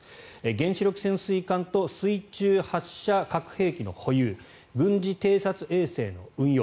原子力潜水艦と水中発射核兵器の保有軍事偵察衛星の運用